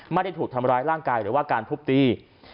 ไม่ได้ถูกทำร้ายร่างกายหรือว่าการทุบตี